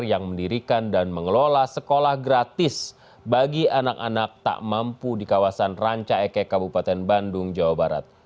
yang mendirikan dan mengelola sekolah gratis bagi anak anak tak mampu di kawasan ranca ekek kabupaten bandung jawa barat